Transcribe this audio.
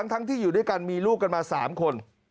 ทั้งที่อยู่ด้วยกันมีลูกกันมา๓คน